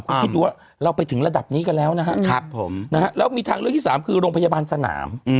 คุณคิดดูว่าเราไปถึงระดับนี้กันแล้วนะฮะแล้วมีทางเลือกที่สามคือโรงพยาบาลสนาม